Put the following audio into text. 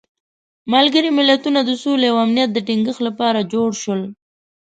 ملګري ملتونه د سولې او امنیت د تینګښت لپاره جوړ شول.